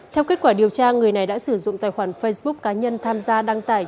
theo kết quả điều tra người này đã sử dụng tài khoản facebook cá nhân tham gia đăng tải